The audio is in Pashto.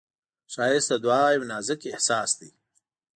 ښایست د دعا یو نازک احساس دی